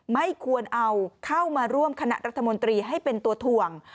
ไม่ควรเอาเข้ามาร่วมคณะรัฐมนตรีให้เป็นตัวถ่วง